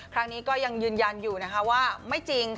ครั้งนี้ก็ยังยืนยันอยู่นะคะว่าไม่จริง